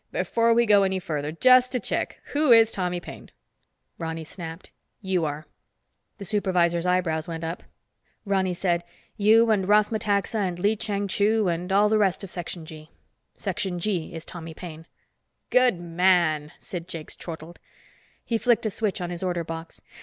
"Before we go any further, just to check, who is Tommy Paine?" Ronny snapped, "You are." The supervisor's eyebrows went up. Ronny said, "You and Ross Metaxa and Lee Chang Chu—and all the rest of Section G. Section G is Tommy Paine." "Good man!" Sid Jakes chortled. He flicked a switch on his order box.